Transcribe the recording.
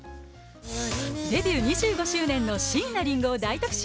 デビュー２５周年の椎名林檎を大特集。